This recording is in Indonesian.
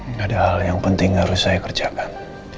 ini ada hal yang penting harus saya kerjakan